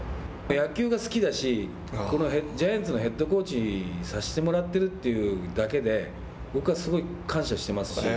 野球が好きだしこのジャイアンツのヘッドコーチをさせてもらってるというだけで僕はすごい感謝してますし。